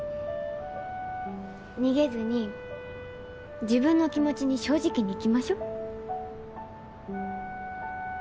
逃げずに自分の気持ちに正直に生きましょ。